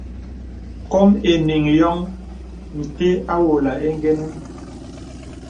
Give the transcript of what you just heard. Kôm enīŋ yôŋ ntə́ avōlə īngə́nə́.